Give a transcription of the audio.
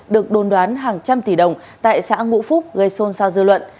được đồn đoán hàng trăm tỷ đồng tại xã ngũ phúc gây xôn xao dư luận